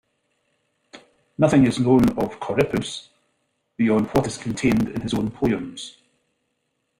Nothing is known of Corippus beyond what is contained in his own poems.